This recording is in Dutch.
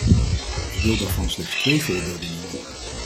Ik wil daarvan slechts twee voorbeelden noemen.